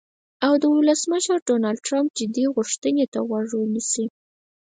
او د ولسمشر ډونالډ ټرمپ "جدي غوښتنې" ته غوږ ونیسي.